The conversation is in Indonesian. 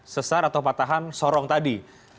sesar atau patahan sorong tadi